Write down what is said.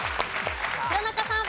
弘中さん。